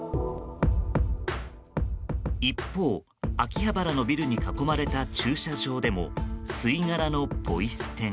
一方、秋葉原のビルに囲まれた駐車場でも吸い殻のポイ捨てが。